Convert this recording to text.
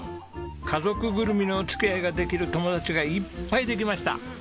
家族ぐるみのお付き合いができる友達がいっぱいできました。